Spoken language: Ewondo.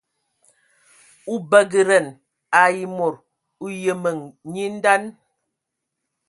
O bagǝdan ai mod, o yəməŋ nye ndan.